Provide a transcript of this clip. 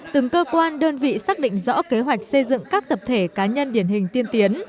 từng cơ quan đơn vị xác định rõ kế hoạch xây dựng các tập thể cá nhân điển hình tiên tiến